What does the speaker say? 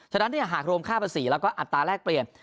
ฉะนั้นหากรวมค่าภาษีแล้วก็อัตราแรกเปลี่ยน